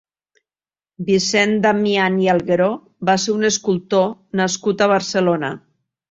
Vicenç Damian i Algueró va ser un escultor nascut a Barcelona.